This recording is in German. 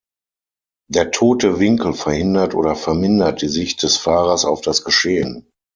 Der tote Winkel verhindert oder vermindert die Sicht des Fahrers auf das Geschehen.